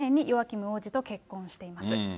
２００８年にヨアキム王子と結婚しています。